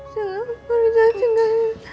jangan perlu dia tinggalin